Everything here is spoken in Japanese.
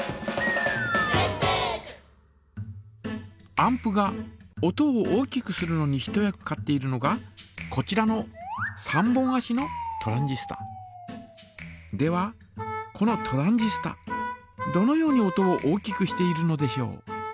アンプが音を大きくするのに一役買っているのがこちらの３本あしのではこのトランジスタどのように音を大きくしているのでしょう。